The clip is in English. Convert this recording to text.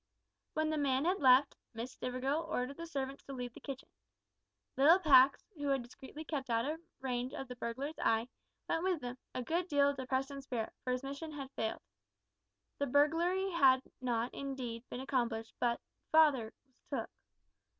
When the man had left, Miss Stivergill ordered the servants to leave the kitchen. Little Pax, who had discreetly kept out of range of the burglar's eye, went with them, a good deal depressed in spirit, for his mission had failed. The burglary had not indeed, been accomplished, but "father" was "took."